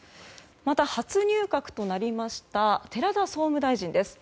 また、初入閣となりました寺田総務大臣です。